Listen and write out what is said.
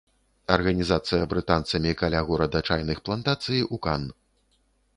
Арганізацыя брытанцамі каля горада чайных плантацый у кан.